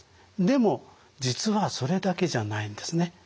でも実はそれだけじゃないんですね。